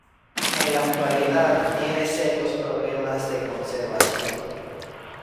En la actualidad tiene serios problemas de conservación.